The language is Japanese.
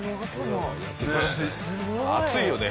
熱いよね。